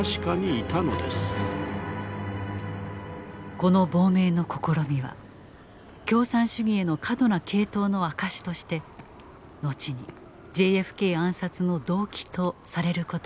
この亡命の試みは「共産主義」への過度な傾倒の証しとして後にＪＦＫ暗殺の動機とされることになる。